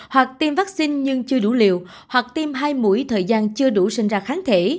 hoặc tiêm vaccine nhưng chưa đủ liều hoặc tiêm hai mũi thời gian chưa đủ sinh ra kháng thể